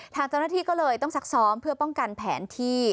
ทางเจ้าหน้าที่ก็เลยต้องซักซ้อมเพื่อป้องกันแผนที่